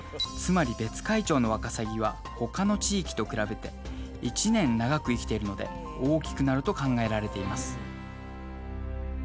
つまり別海町のわかさぎは他の地域と比べて１年長く生きているので大きくなると考えられています。